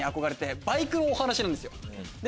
バイクのお話なんですよ。